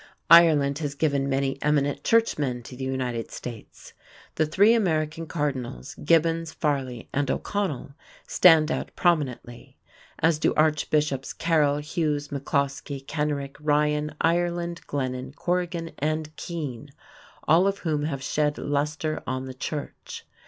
Ireland has given many eminent churchmen to the United States. The three American Cardinals, Gibbons, Farley, and O'Connell, stand out prominently, as do Archbishops Carroll, Hughes, McCloskey, Kenrick, Ryan, Ireland, Glennon, Corrigan, and Keane, all of whom have shed lustre on the Church.